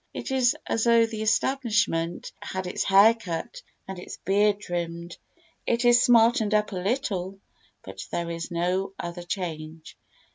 It is as though the establishment had had its hair cut and its beard trimmed; it is smartened up a little, but there is no other change.